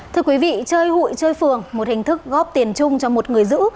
thưa quý vị chơi hụi chơi phường một hình thức góp tiền chung cho một người giữ